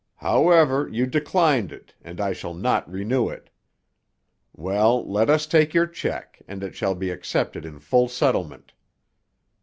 However, you declined it and I shall not renew it. Well, let us take your check, and it shall be accepted in full settlement."